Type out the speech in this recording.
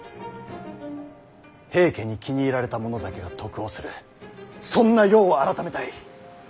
平家に気に入られた者だけが得をするそんな世を改めたい。